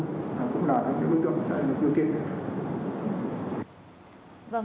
cũng là những đối tượng sẽ được ưu tiên